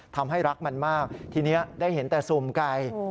ทำให้รักมันมากทีนี้ได้เห็นแต่สุ่มไก่